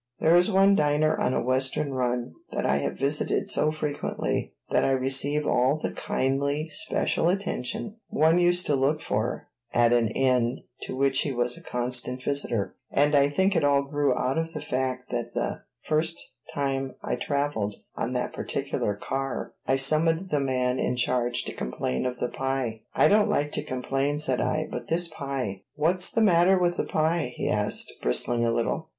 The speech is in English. There is one diner on a Western run that I have visited so frequently that I receive all the kindly special attention one used to look for at an inn to which he was a constant visitor; and I think it all grew out of the fact that the first time I traveled on that particular car I summoned the man in charge to complain of the pie. "I don't like to complain," said I; "but this pie " "What's the matter with the pie?" he asked, bristling a little.